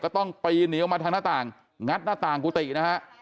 ต้องปีนหนีออกมาทางหน้าต่างงัดหน้าต่างกุฏินะฮะ